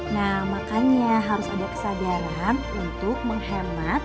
nah makanya harus ada kesadaran untuk menghemat